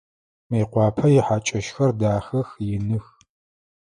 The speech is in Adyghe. Мыекъуапэ ихьакӏэщхэр дахэх, иных.